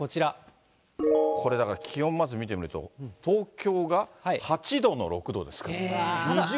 これだから、気温まず見てみると、東京が８度の６度ですから。